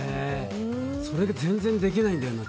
それが全然できないんだよね。